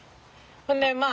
ほんでまあ